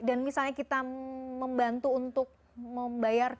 dan misalnya kita membantu untuk membayar